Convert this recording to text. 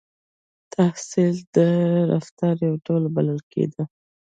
• تحصیل د رفتار یو ډول بلل کېده.